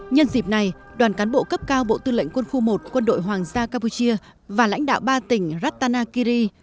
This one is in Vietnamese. nhân dịp này đoàn cán bộ cấp cao bộ tư lệnh quân khu một quân đội hoàng gia campuchia và lãnh đạo ba tỉnh ratanakiri